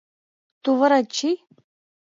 Тувырет чий!